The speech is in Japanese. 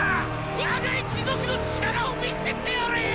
わが一族の力を見せてやれィ！